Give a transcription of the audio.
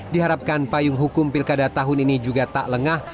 diharapkan payung hukum pilkada tahun ini juga tak lengah